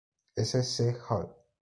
S. C. Hall.